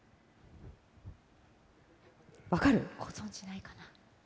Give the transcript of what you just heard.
ご存じないかな？